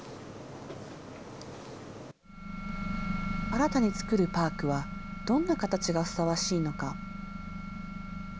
新たに作るパークは、どんな形がふさわしいのか。